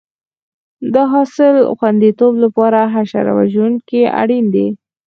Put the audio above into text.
د حاصل خوندیتوب لپاره حشره وژونکي اړین دي.